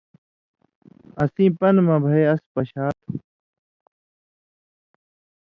اسیں پن٘دہۡ مہ بھئ اس پشا تُھو